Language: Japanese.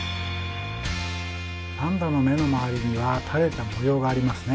パンダの目の周りには垂れた模様がありますね。